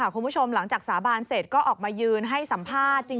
คุณผู้ชมหลังจากสาบานเสร็จก็ออกมายืนให้สัมภาษณ์